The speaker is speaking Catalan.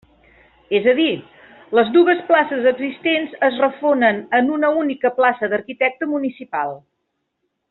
És a dir, les dues places existents es refonen en una única plaça d'arquitecte municipal.